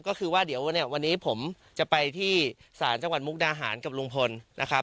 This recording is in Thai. ก็คือว่าเดี๋ยววันนี้ผมจะไปที่ศาลจังหวัดมุกดาหารกับลุงพลนะครับ